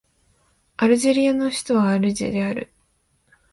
アルジェリアの首都はアルジェである